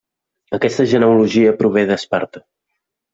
Aquesta genealogia prové d'Esparta.